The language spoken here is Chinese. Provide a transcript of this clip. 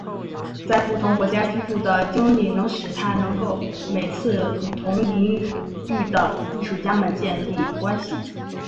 在不同国家居住的经历使他能够每次与同领域的艺术家们建立联系。